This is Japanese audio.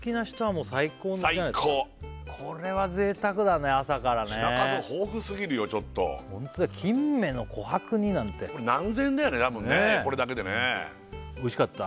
これこれは贅沢だね朝からね品数豊富すぎるよちょっとホントだよ金目の琥珀煮なんてこれ何千円だよね多分ねこれだけでねあっ